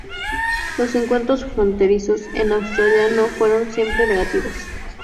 Los encuentros fronterizos en Australia no fueron siempre negativos.